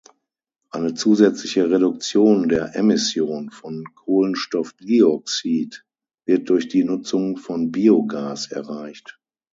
Eine zusätzliche Reduktion der Emission von Kohlenstoffdioxid wird durch die Nutzung von Biogas erreicht.